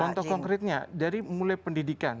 contoh konkretnya dari mulai pendidikan